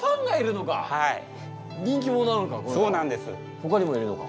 ほかにもいるのか。